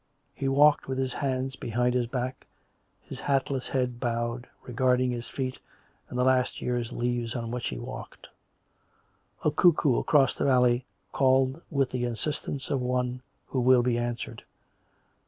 He walked with his hands behind his back, his hatless head bowed, regard ing his feet and the last year's leaves on which he walked. A cuckoo across the valley called with the insistence of one who will be answered.